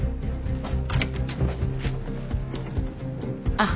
あっ。